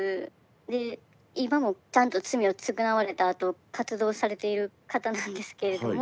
で今もちゃんと罪を償われたあと活動されている方なんですけれども。